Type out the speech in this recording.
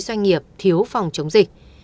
doanh nghiệp thiếu phòng chống dịch